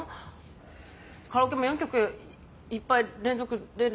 カラオケも４曲いっぱい連続でね